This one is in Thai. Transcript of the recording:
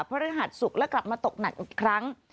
พระฤหัสศุกร์และกลับมาตกหนักอีกครั้ง